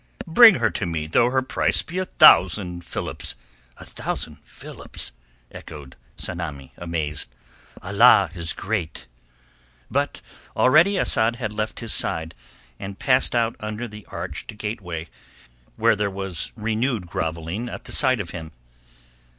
Bring her to me, though her price be a thousand philips." "A thousand philips!" echoed Tsamanni amazed. "Allah is great!" But already Asad had left his side and passed out under the arched gateay, where the grovelling anew at the sight of him.